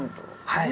はい。